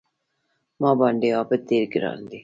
ما باندې عابد ډېر ګران دی